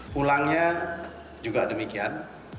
pulangnya juga demikian